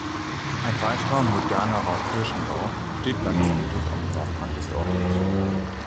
Ein weiterer, moderner Kirchenbau steht beim Friedhof am Nordrand des Ortes.